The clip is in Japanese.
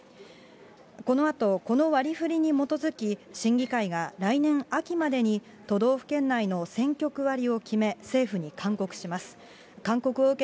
このあとこの割りふりに基づき、審議会が来年秋までに都道府県内の選挙区割りを決め、政府に勧告します。